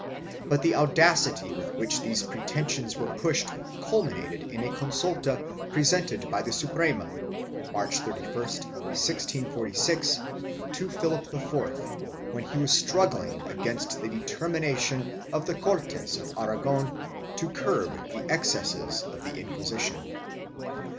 3 But the audacity with which these preten sions were pushed culminated in a consulta presented by the Suprema, March 31, 1646, to Philip IV, when he was struggling against the determination of the Cortes of Aragon to curb the excesses of the Inquisition.